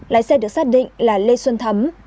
lái xe được xác định là lê xuân thấm